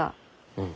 うん。